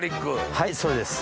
はいそれです。